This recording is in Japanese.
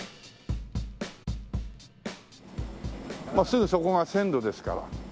すぐそこが線路ですから。